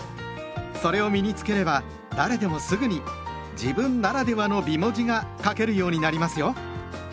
それを身に付ければ誰でもすぐに「自分ならではの美文字」が書けるようになりますよ。